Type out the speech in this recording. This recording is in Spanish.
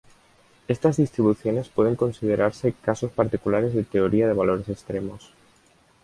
Estas distribuciones pueden considerarse casos particulares de Teoría de valores extremos.